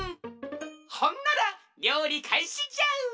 ほんならりょうりかいしじゃ！